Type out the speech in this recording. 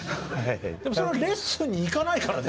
でもそれはレッスンに行かないからでしょ？